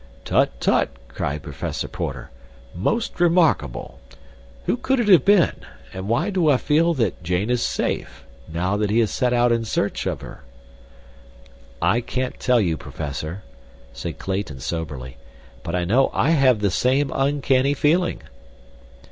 "Tut, tut!" cried Professor Porter. "Most remarkable! Who could it have been, and why do I feel that Jane is safe, now that he has set out in search of her?" "I can't tell you, Professor," said Clayton soberly, "but I know I have the same uncanny feeling."